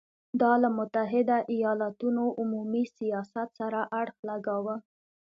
دا له متحدو ایالتونو عمومي سیاست سره اړخ لګاوه.